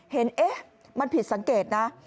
เอ๊ะมันผิดสังเกตนะ